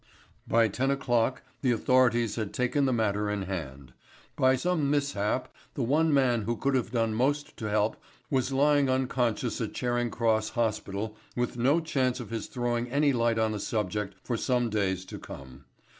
By ten o'clock the authorities had taken the matter in hand. By some mishap the one man who could have done most to help was lying unconscious at Charing Cross Hospital with no chance of his throwing any light on the subject for some days to come.